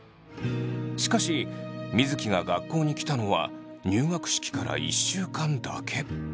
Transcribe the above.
しかし水城が学校に来たのは入学式から１週間だけ。